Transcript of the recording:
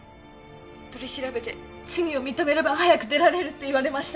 取り調べで罪を認めれば早く出られるって言われました